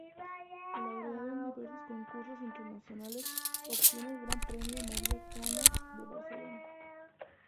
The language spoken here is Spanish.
Laureado en diversos Concursos Internacionales obtiene el Gran Premio María Canals de Barcelona.